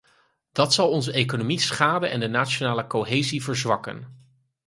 Dat zal onze economie schaden en de nationale cohesie verzwakken.